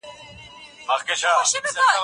په خیال کې شونډې ښکلوم واصل دیار په مینه